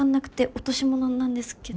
落とし物なんですけど。